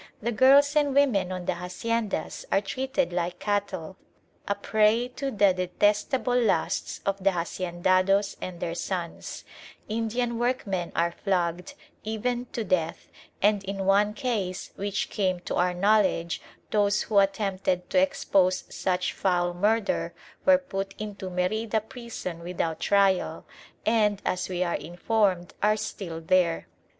The girls and women on the haciendas are treated like cattle, a prey to the detestable lusts of the haciendados and their sons; Indian workmen are flogged, even to death, and in one case which came to our knowledge those who attempted to expose such foul murder were put into Merida prison without trial, and, as we are informed, are still there.